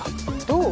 どう？